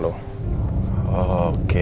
tante ini gue pengen